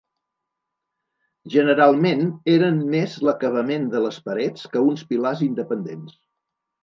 Generalment eren més l'acabament de les parets que uns pilars independents.